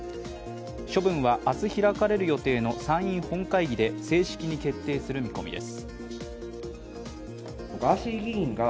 処分は明日開かれる予定の参院本会議で正式に決定する見込みです。